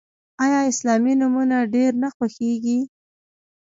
آیا اسلامي نومونه ډیر نه خوښیږي؟